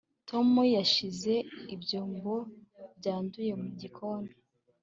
tom yashyize ibyombo byanduye mu gikoni